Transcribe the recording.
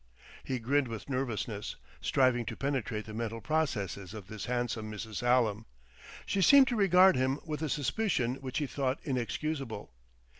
] He grinned with nervousness, striving to penetrate the mental processes of this handsome Mrs. Hallam. She seemed to regard him with a suspicion which he thought inexcusable.